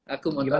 aku mau tau